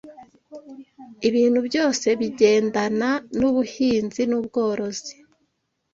ibintu byose bigendana n’ubuhinzi n’ubworozi